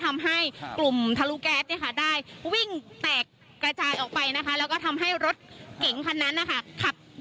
ทำให้กลุ่มทะลุแก๊สได้วิ่งแตกกระจายออกไปนะคะ